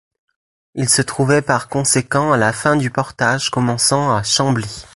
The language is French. Il se trouvait par conséquent à la fin du portage commençant à Chambly.